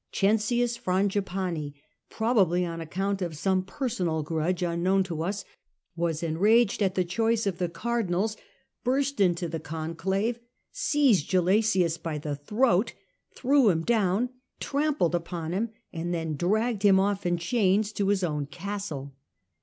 Cencius Frangipane, probably on account of some personal grudge unknown to us, was enraged at the choice of the cardinals, burst into the conclave, seized Gelasius by the throat, threw him down, trampled upon him, and then dragged him in chains to his own castle.